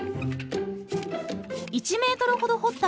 １メートルほど掘った